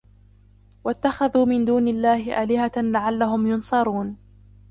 واتخذوا من دون الله آلهة لعلهم ينصرون